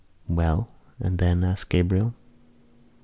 "Well; and then?" asked Gabriel.